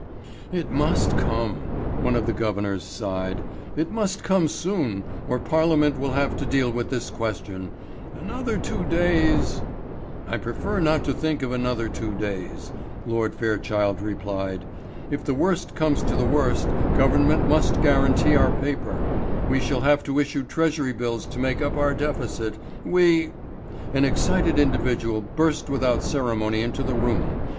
"It must come," one of the governors sighed. "It must come soon, or Parliament will have to deal with this question. Another two days " "I prefer not to think of another two days," Lord Fairchild replied. "If the worst comes to the worst, Government must guarantee our paper. We shall have to issue Treasury bills to make up our deficit. We " An excited individual burst without ceremony into the room.